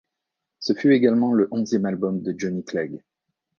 Ce fut également le onzième album de Johnny Clegg.